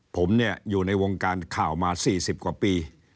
ผมเนี่ยอยู่ในวงการข่าวมา๔๐กว่าปี